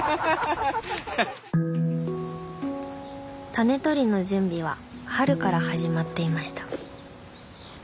タネとりの準備は春から始まっていました。